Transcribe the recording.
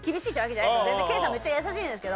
めっちゃ優しいんですけど。